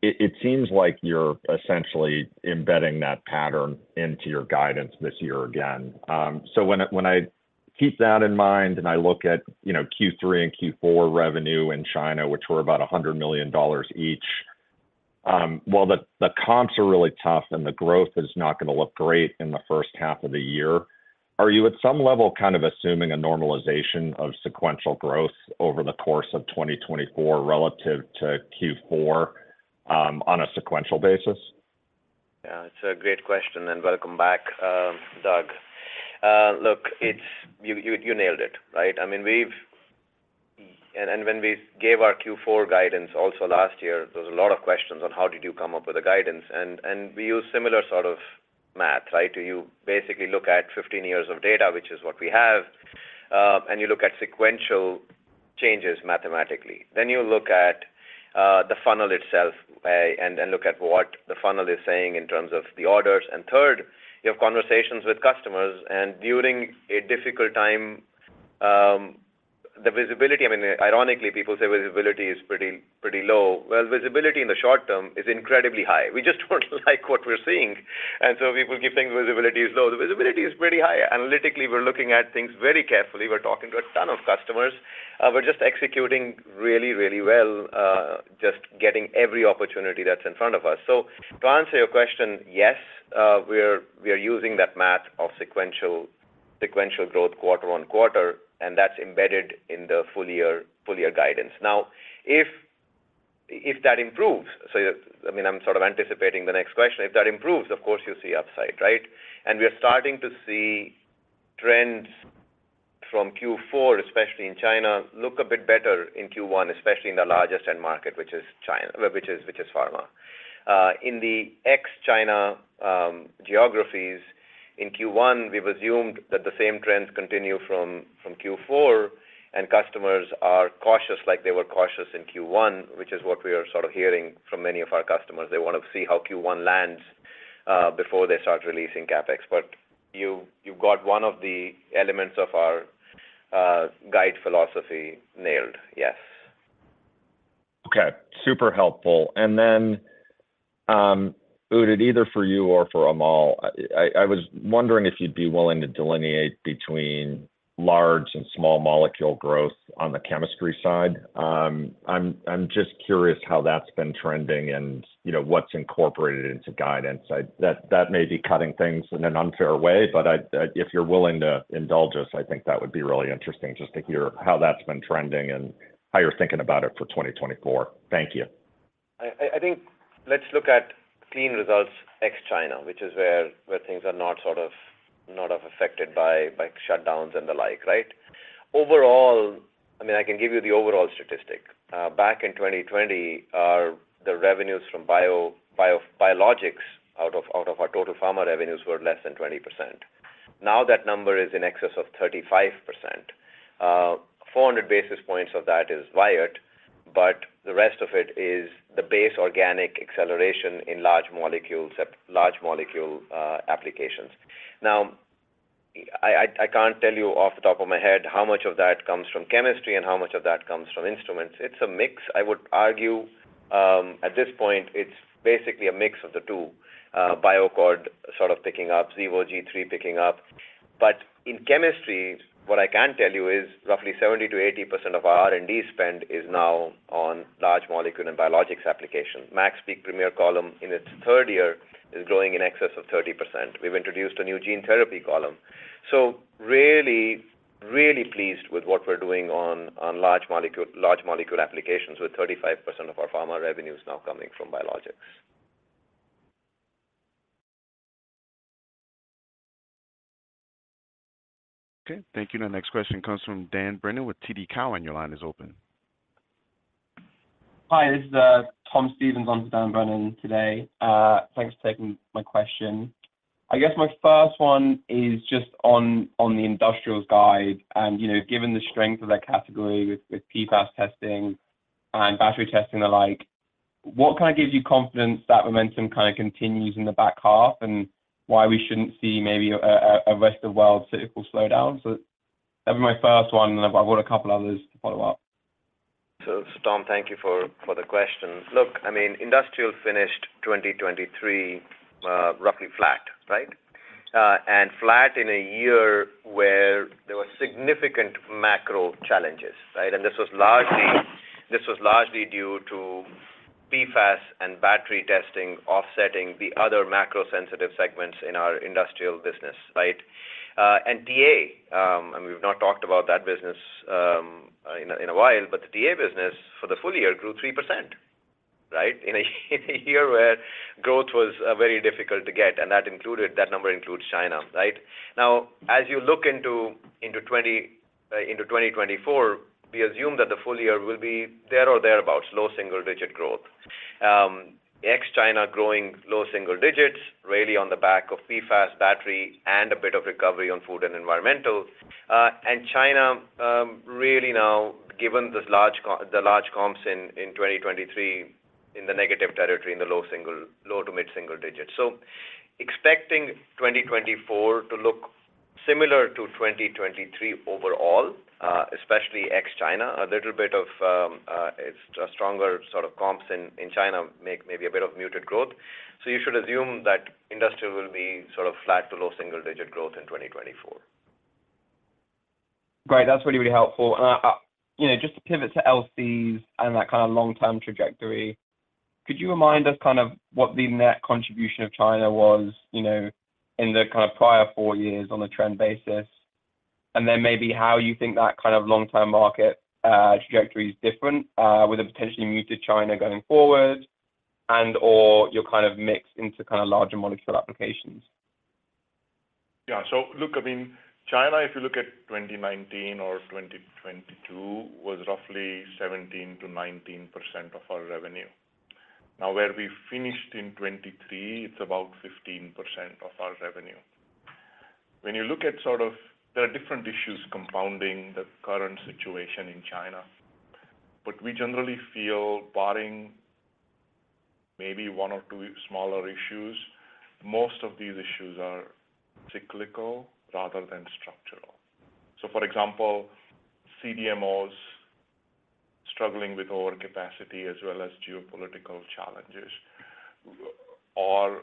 it seems like you're essentially embedding that pattern into your guidance this year again. So when I keep that in mind and I look at, you know, Q3 and Q4 revenue in China, which were about $100 million each, while the comps are really tough and the growth is not going to look great in the first half of the year, are you at some level, kind of assuming a normalization of sequential growth over the course of 2024 relative to Q4, on a sequential basis? Yeah, it's a great question, and welcome back, Doug. Look, it's you nailed it, right? I mean, we've and when we gave our Q4 guidance also last year, there was a lot of questions on how did you come up with the guidance? And we use similar sort of math, right? You basically look at 15 years of data, which is what we have, and you look at sequential changes mathematically. Then you look at the funnel itself, and look at what the funnel is saying in terms of the orders. And third, you have conversations with customers, and during a difficult time, the visibility, I mean, ironically, people say visibility is pretty, pretty low. Well, visibility in the short term is incredibly high. We just don't like what we're seeing, and so people give things visibility is low. The visibility is pretty high. Analytically, we're looking at things very carefully. We're talking to a ton of customers. We're just executing really, really well, just getting every opportunity that's in front of us. So to answer your question, yes, we are, we are using that math of sequential, sequential growth quarter on quarter, and that's embedded in the full year, full year guidance. Now, if that improves, so, I mean, I'm sort of anticipating the next question. If that improves, of course, you'll see upside, right? And we are starting to see trends from Q4, especially in China, look a bit better in Q1, especially in the largest end market, which is China, which is pharma. In the ex-China geographies, in Q1, we've assumed that the same trends continue from Q4, and customers are cautious, like they were cautious in Q1, which is what we are sort of hearing from many of our customers. They want to see how Q1 lands before they start releasing CapEx. But you got one of the elements of our guide philosophy nailed. Yes. Okay, super helpful. And then, Udit, either for you or for Amol, I was wondering if you'd be willing to delineate between large and small molecule growth on the chemistry side. I'm just curious how that's been trending and, you know, what's incorporated into guidance. That may be cutting things in an unfair way, but if you're willing to indulge us, I think that would be really interesting just to hear how that's been trending and how you're thinking about it for 2024. Thank you. I think let's look at clean results ex-China, which is where things are not sort of not as affected by shutdowns and the like, right? Overall, I mean, I can give you the overall statistic. Back in 2020, our revenues from biologics out of our total pharma revenues were less than 20%. Now, that number is in excess of 35%. Four hundred basis points of that is Wyatt, but the rest of it is the base organic acceleration in large molecules at large molecule applications. Now, I can't tell you off the top of my head how much of that comes from chemistry and how much of that comes from instruments. It's a mix. I would argue, at this point, it's basically a mix of the two, BioAccord sort of picking up, Xevo G3 picking up. But in chemistry, what I can tell you is roughly 70%-80% of our R&D spend is now on large molecule and biologics applications. MaxPeak Premier column, in its third year, is growing in excess of 30%. We've introduced a new gene therapy column. So really, really pleased with what we're doing on, on large molecule, large molecule applications, with 35% of our pharma revenues now coming from biologics. Okay. Thank you. The next question comes from Dan Brennan with TD Cowen. Your line is open. Hi, this is Tom Stevens on for Dan Brennan today. Thanks for taking my question. I guess my first one is just on, on the industrials guide, and, you know, given the strength of that category with, with PFAS testing and battery testing, the like, what kind of gives you confidence that momentum kind of continues in the back half, and why we shouldn't see maybe a rest-of-world typical slowdown? So that'd be my first one, and I've got a couple others to follow up. So, Tom, thank you for the question. Look, I mean, industrial finished 2023, roughly flat, right? And flat in a year where there were significant macro challenges, right? And this was largely due to PFAS and battery testing, offsetting the other macro-sensitive segments in our industrial business, right? And TA, and we've not talked about that business in a while, but the TA business for the full year grew 3%. Right? In a year where growth was very difficult to get, and that included, that number includes China, right? Now, as you look into 2024, we assume that the full year will be there or thereabouts, low single-digit growth. Ex-China growing low single digits, really on the back of PFAS, battery, and a bit of recovery on food and environmental. And China, really now, given the large comps in 2023, in the negative territory, in the low to mid single digits. So expecting 2024 to look similar to 2023 overall, especially ex-China. A little bit of a stronger sort of comps in China, make maybe a bit of muted growth. So you should assume that industrial will be sort of flat to low single-digit growth in 2024. Great. That's really, really helpful. And, you know, just to pivot to LCs and that kind of long-term trajectory, could you remind us kind of what the net contribution of China was, you know, in the kind of prior four years on a trend basis? And then maybe how you think that kind of long-term market trajectory is different, with a potentially muted China going forward and/or your kind of mix into kind of larger molecule applications? Yeah. So look, I mean, China, if you look at 2019 or 2022, was roughly 17%-19% of our revenue. Now, where we finished in 2023, it's about 15% of our revenue. When you look at sort of, there are different issues compounding the current situation in China, but we generally feel barring maybe one or two smaller issues, most of these issues are cyclical rather than structural. So for example, CDMOs struggling with overcapacity as well as geopolitical challenges, or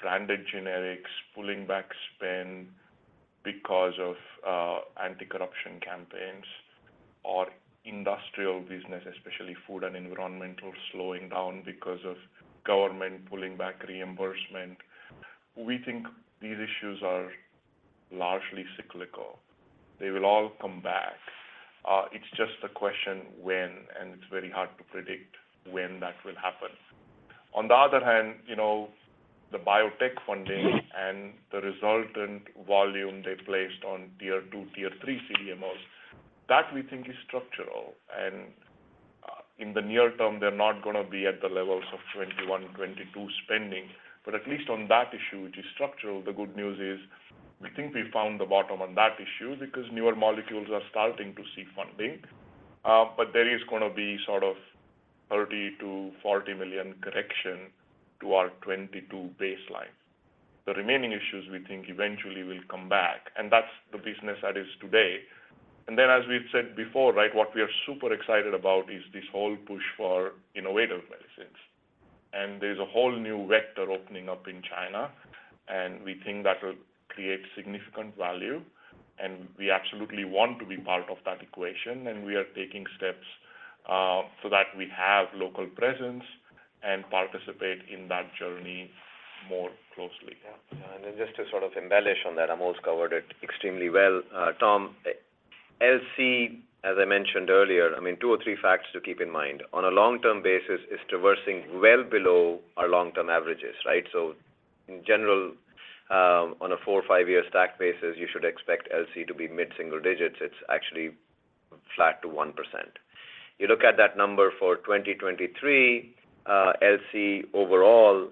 branded generics pulling back spend because of, anti-corruption campaigns or industrial business, especially food and environmental, slowing down because of government pulling back reimbursement. We think these issues are largely cyclical. They will all come back. It's just a question when, and it's very hard to predict when that will happen. On the other hand, you know, the biotech funding and the resultant volume they placed on tier two, tier three CDMOs, that we think is structural. In the near term, they're not going to be at the levels of 2021, 2022 spending. But at least on that issue, which is structural, the good news is, we think we found the bottom on that issue because newer molecules are starting to see funding. But there is going to be sort of $30 million-$40 million correction to our 2022 baseline. The remaining issues we think eventually will come back, and that's the business that is today. And then, as we've said before, right, what we are super excited about is this whole push for innovative medicines. There's a whole new vector opening up in China, and we think that will create significant value, and we absolutely want to be part of that equation, and we are taking steps so that we have local presence and participate in that journey more closely. Yeah. And then just to sort of embellish on that, Amol's covered it extremely well. Tom, LC, as I mentioned earlier, I mean, two or three facts to keep in mind. On a long-term basis, is doing well below our long-term averages, right? So in general, on a four or five-year stack basis, you should expect LC to be mid-single digits. It's actually flat to 1%. You look at that number for 2023, LC overall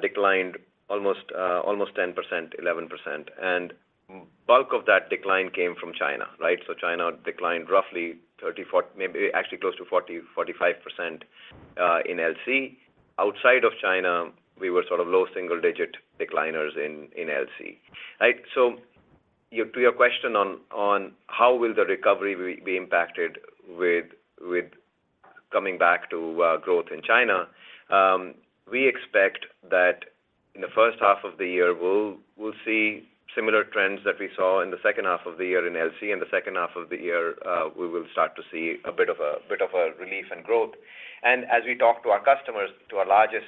declined almost, almost 10%, 11%, and bulk of that decline came from China, right? So China declined roughly 30, 40 maybe actually close to 40, 45%, uh, in LC. Outside of China, we were sort of low single-digit decliners in, in LC. Right, so to your question on how the recovery will be impacted with coming back to growth in China, we expect that in the first half of the year, we'll see similar trends that we saw in the second half of the year in LC, in the second half of the year, we will start to see a bit of a relief and growth. And as we talk to our customers, to our largest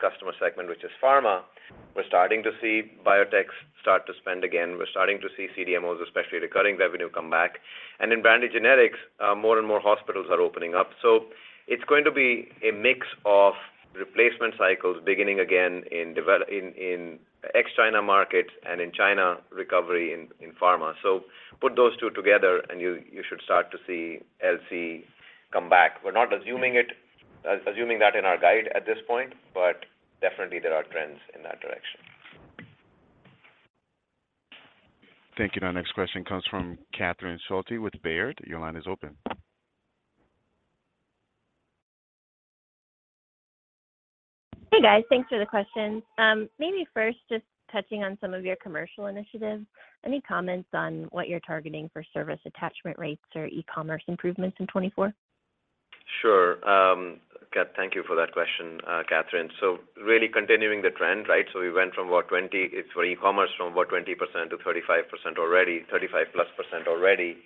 customer segment, which is pharma, we're starting to see biotechs start to spend again. We're starting to see CDMOs, especially recurring revenue, come back. And in branded generics, more and more hospitals are opening up. So it's going to be a mix of replacement cycles, beginning again in ex-China markets and in China, recovery in pharma. So put those two together and you should start to see LC come back. We're not assuming it, assuming that in our guide at this point, but definitely there are trends in that direction. Thank you. Our next question comes from Catherine Schulte with Baird. Your line is open. Hey, guys. Thanks for the questions. Maybe first, just touching on some of your commercial initiatives, any comments on what you're targeting for service attachment rates or e-commerce improvements in 2024? Sure. Cat, thank you for that question, Catherine. So really continuing the trend, right? So we went from, what, 20%, it's for e-commerce, from, what, 20% to 35% already, 35%+ already,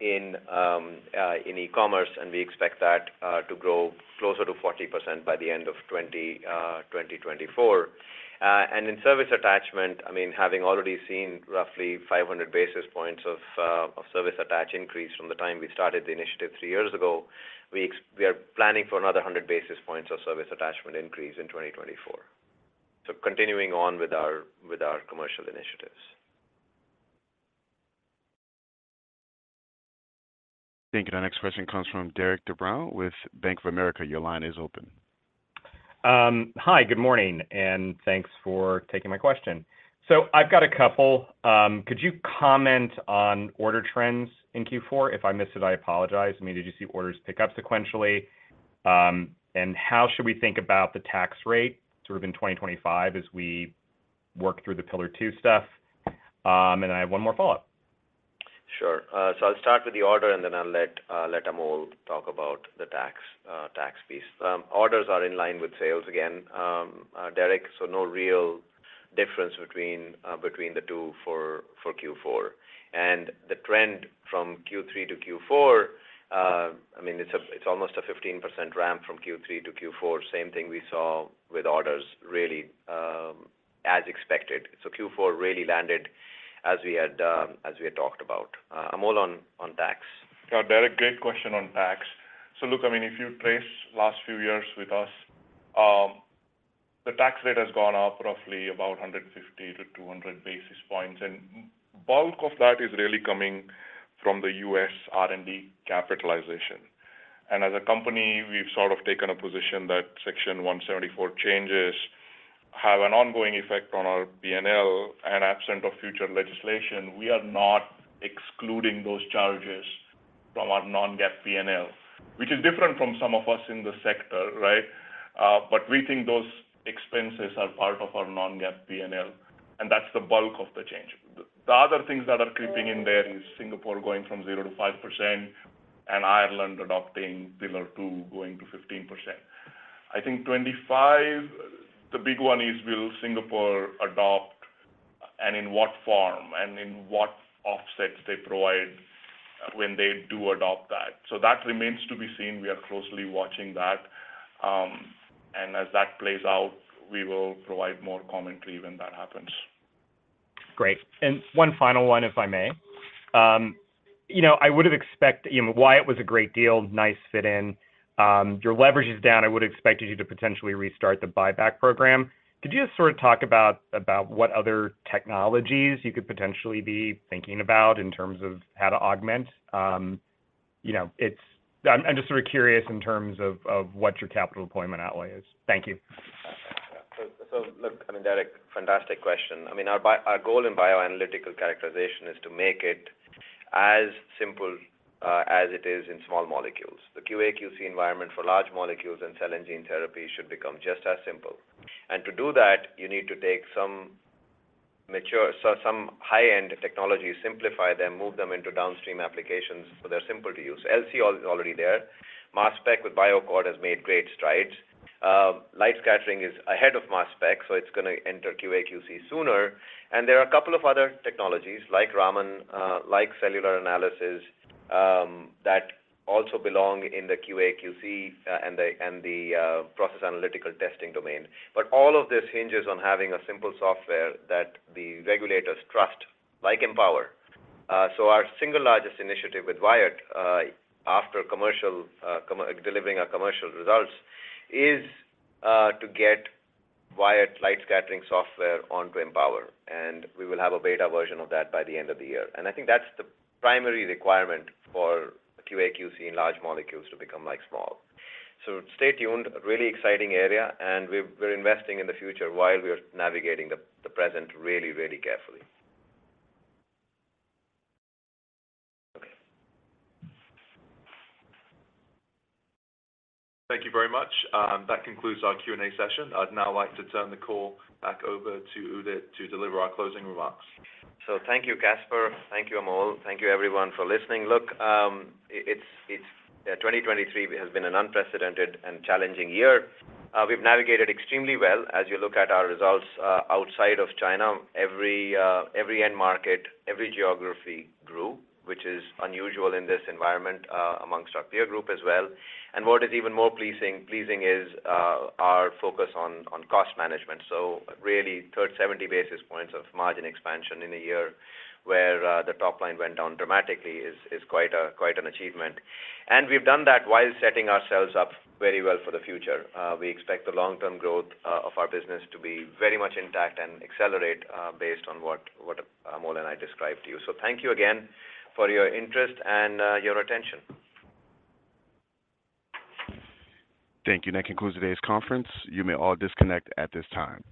in e-commerce, and we expect that to grow closer to 40% by the end of 2024. And in service attachment, I mean, having already seen roughly 500 basis points of service attach increase from the time we started the initiative three years ago, we are planning for another 100 basis points of service attachment increase in 2024. So continuing on with our commercial initiatives. Thank you. Our next question comes from Derik de Bruin with Bank of America. Your line is open. Hi, good morning, and thanks for taking my question. So I've got a couple. Could you comment on order trends in Q4? If I missed it, I apologize. I mean, did you see orders pick up sequentially? And how should we think about the tax rate sort of in 2025 as we work through the Pillar Two stuff? And I have one more follow-up. Sure. So I'll start with the order, and then I'll let Amol talk about the tax piece. Orders are in line with sales again, Derik, so no real difference between the two for Q4. And the trend from Q3 to Q4, I mean, it's almost a 15% ramp from Q3 to Q4. Same thing we saw with orders, really, as expected. So Q4 really landed as we had talked about. Amol, on tax. Yeah, Derik, great question on tax. So look, I mean, if you trace last few years with us, the tax rate has gone up roughly about 150-200 basis points, and bulk of that is really coming from the U.S. R&D capitalization. And as a company, we've sort of taken a position that Section 174 changes have an ongoing effect on our P&L, and absent of future legislation, we are not excluding those charges from our non-GAAP P&L, which is different from some of us in the sector, right? But we think those expenses are part of our non-GAAP P&L, and that's the bulk of the change. The, the other things that are creeping in there is Singapore going from 0%-5% and Ireland adopting Pillar Two, going to 15%. I think 2025, the big one is will Singapore adopt and in what form, and in what offsets they provide when they do adopt that? So that remains to be seen. We are closely watching that, and as that plays out, we will provide more commentary when that happens. Great. One final one, if I may. You know, I would have expected, you know, Wyatt was a great deal, nice fit in. Your leverage is down. I would have expected you to potentially restart the buyback program. Could you just sort of talk about what other technologies you could potentially be thinking about in terms of how to augment? You know, it's. I'm just sort of curious in terms of what your capital deployment outlay is. Thank you. Yeah. So, look, I mean, Derik, fantastic question. I mean, our goal in bioanalytical characterization is to make it as simple as it is in small molecules. The QA/QC environment for large molecules and cell and gene therapy should become just as simple. And to do that, you need to take some high-end technologies, simplify them, move them into downstream applications, so they're simpler to use. LC is already there. Mass spec with BioAccord has made great strides. Light scattering is ahead of mass spec, so it's going to enter QA/QC sooner. And there are a couple of other technologies like Raman, like cellular analysis, that also belong in the QA/QC and the process analytical testing domain. But all of this hinges on having a simple software that the regulators trust, like Empower. So our single largest initiative with Wyatt, after commercial, delivering our commercial results, is to get Wyatt light scattering software onto Empower, and we will have a beta version of that by the end of the year. And I think that's the primary requirement for QA/QC in large molecules to become like small. So stay tuned, a really exciting area, and we're investing in the future while we are navigating the present really, really carefully. Thank you very much. That concludes our Q&A session. I'd now like to turn the call back over to Udit to deliver our closing remarks. So thank you, Caspar. Thank you, Amol. Thank you, everyone, for listening. Look, 2023 has been an unprecedented and challenging year. We've navigated extremely well. As you look at our results, outside of China, every end market, every geography grew, which is unusual in this environment, amongst our peer group as well. And what is even more pleasing is our focus on cost management. So really, 370 basis points of margin expansion in a year where the top line went down dramatically is quite an achievement. And we've done that while setting ourselves up very well for the future. We expect the long-term growth of our business to be very much intact and accelerate based on what Amol and I described to you. Thank you again for your interest and your attention. Thank you. That concludes today's conference. You may all disconnect at this time.